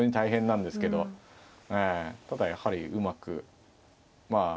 ただやはりうまくまあ